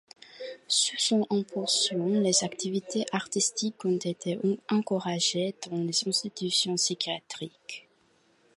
Sous son impulsion, les activités artistiques ont été encouragées dans les institutions psychiatriques.